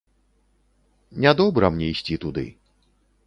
Нядобра мне ісці туды.